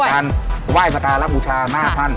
ในการว่ายสการับบุชาหน้าท่าน